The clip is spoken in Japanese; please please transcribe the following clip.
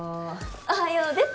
おはようです！